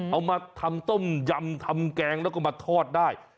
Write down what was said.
เอามาทำต้มยำทำแกงแล้วก็มาทอดได้